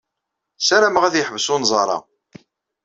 Ssarameɣ ad yeḥbes unẓar-a.